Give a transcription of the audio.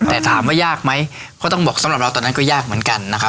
แต่ถามว่ายากไหมก็ต้องบอกสำหรับเราตอนนั้นก็ยากเหมือนกันนะครับ